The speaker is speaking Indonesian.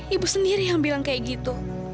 ibu sendiri yang bilang kayak gitu